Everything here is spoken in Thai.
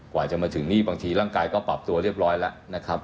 กว่าจะมาถึงนี่บางทีร่างกายก็ปรับตัวเรียบร้อยแล้วนะครับ